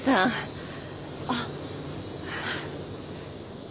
あっ。